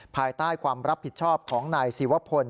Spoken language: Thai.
ภายใต้ความรับผิดชอบของนายศิวพล